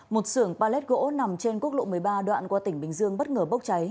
một xưởng pallet gỗ nằm trên quốc lộ một mươi ba đoạn qua tỉnh bình dương bất ngờ bốc cháy